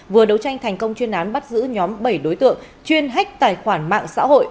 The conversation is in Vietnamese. vừa đấu tranh thành công chuyên án bắt giữ nhóm bảy đối tượng chuyên hách tài khoản mạng xã hội